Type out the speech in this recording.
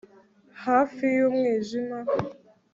hafi y'umwijima